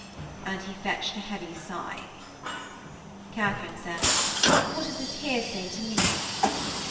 _" And he fetched a heavy sigh.' Katharine said: 'What is this hearsay to me?'